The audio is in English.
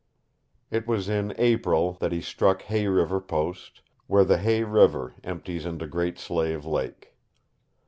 It was in April that he struck Hay River Post, where the Hay River empties into Great Slave Lake.